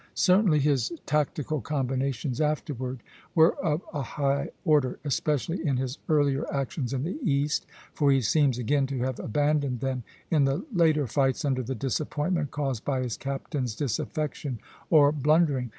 Certainly his tactical combinations afterward were of a high order, especially in his earlier actions in the East (for he seems again to have abandoned them in the later fights under the disappointment caused by his captains' disaffection or blundering).